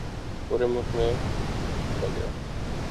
پورے ملک میں پیٹا گیا۔